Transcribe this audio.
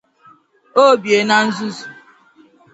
o bie na nzuzu.